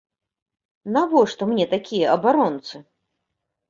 Навошта мне такія абаронцы?!